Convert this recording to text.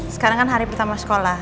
sekarang kan hari pertama sekolah